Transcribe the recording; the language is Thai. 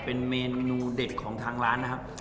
เป็นเมนูเด็ดของทางร้านนะครับ